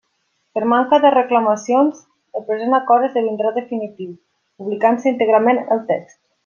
Per manca de reclamacions el present acord esdevindrà definitiu, publicant-se íntegrament el text.